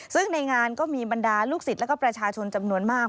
ซึ่งในงานก็มีบรรดาลูกศิษย์แล้วก็ประชาชนจำนวนมาก